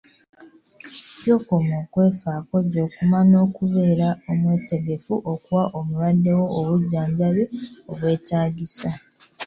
Gy'okoma okwefaako gy'okoma n'okubeera omwetegefu okuwa omulwadde wo obujjanjabi obwetaagisa